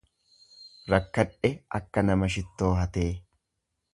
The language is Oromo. Rakkadhe akka nama shittoo hatee.